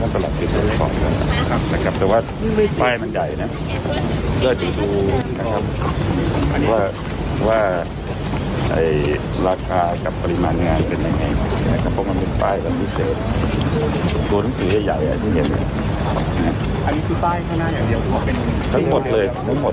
ไปการอย่าเดี๋ยวดู